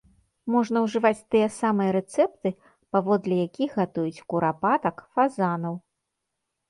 Можна ўжываць тыя самыя рэцэпты, паводле якіх гатуюць курапатак, фазанаў.